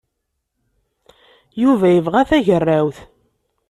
Yuba yebɣa tagerrawt.